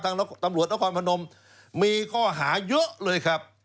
ตำรวจนครพนมมีข้อหาเยอะเลยครับ